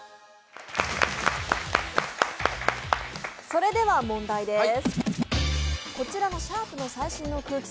それでは問題です。